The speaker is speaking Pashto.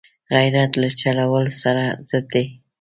غیرت له چل ول سره ضد دی